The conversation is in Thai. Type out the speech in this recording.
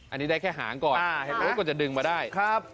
อันนี้ได้แค่หางก่อนเห็นมั้ยคุณผู้ชมก็จะดึงมาได้